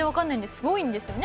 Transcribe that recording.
すごいんですよね？